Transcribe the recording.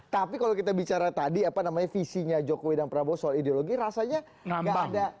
tapi kalau kita bicara tadi apa namanya visinya jokowi dan prabowo soal ideologi rasanya gak ada